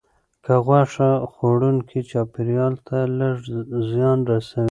کم غوښه خوړونکي چاپیریال ته لږ زیان رسوي.